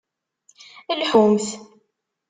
Lḥumt!